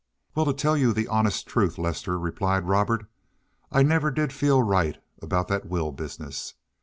"Well, to tell you the honest truth, Lester," replied Robert, "I never did feel right about that will business.